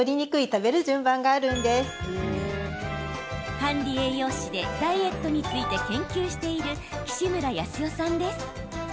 管理栄養士でダイエットについて研究している岸村康代さんです。